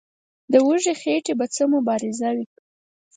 د وږي خېټې به څه مبارزه وي.